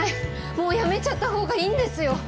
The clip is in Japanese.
もう辞めちゃった方がいいんですよ！